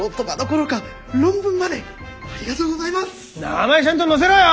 名前ちゃんと載せろよ！